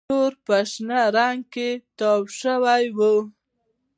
توري په شنه رنګ کې تاو شوي وو